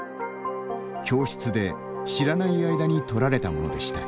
教室で、知らない間に撮られたものでした。